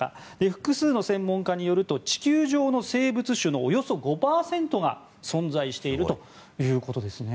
複数の専門家によると地球上の生物種のおよそ５％が存在しているということですね。